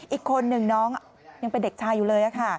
อีกคนหนึ่งน้องยังเป็นเด็กชายอยู่เลยค่ะ